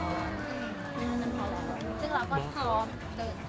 นั่นพอแล้วครับ